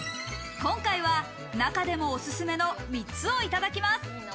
今回は中でもおすすめの３つをいただきます。